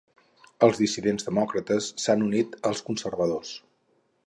Els dissidents demòcrates s'han unit als conservadors.